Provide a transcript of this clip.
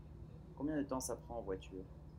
Combien de temps ça prend en voiture ?